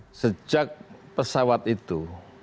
jadi sejak pesawat itu